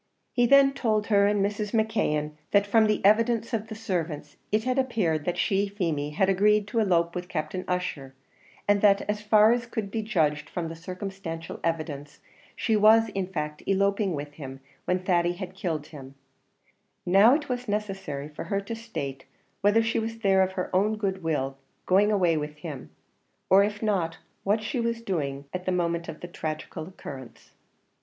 He then told her and Mrs. McKeon, that from the evidence of the servants it had appeared that she, Feemy, had agreed to elope with Captain Ussher; and that, as far as could be judged from circumstantial evidence, she was in fact eloping with him when Thady had killed him; now, it was necessary for her to state whether she was there of her own good will, going away with him; or if not, what she was doing at the moment of the tragical occurrence.